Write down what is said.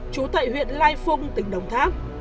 trú tại huyện lai phung tỉnh đồng tháp